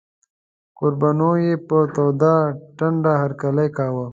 کوربنو یې په توده ټنډه هرکلی کاوه.